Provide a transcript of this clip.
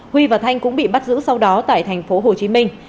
huy và thanh cũng bị bắt giữ sau đó tại thành phố hồ chí minh